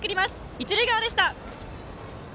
一塁側でした。